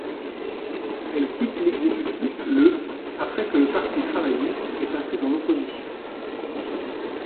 Elle quitte l'exécutif le après que le Parti travailliste est passé dans l'opposition.